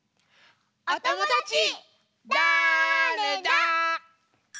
おともだちだれだ？